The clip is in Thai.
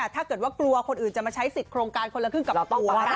ถ้าเกิดว่ากลัวคนอื่นจะมาใช้สิทธิ์โครงการคนละครึ่งกับตัวก็ได้